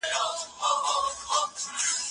د ده په کلام کې د محاورو کارونه ډېره کمه ده.